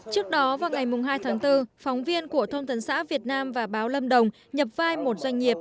trước đó vào ngày hai tháng bốn phóng viên của thông tấn xã việt nam và báo lâm đồng nhập vai một doanh nghiệp